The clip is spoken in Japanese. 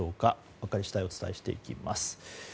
分かり次第お伝えしていきます。